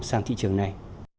sang thị trường này